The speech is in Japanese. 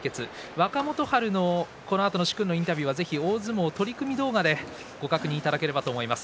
若元春のインタビューは大相撲取組動画でご確認いただければと思います。